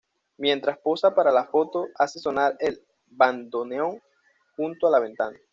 Mientras posa para las fotos, hace sonar el bandoneón junto a la ventana.